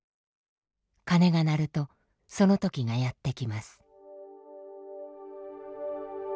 鐘が鳴るとその時がやってきます。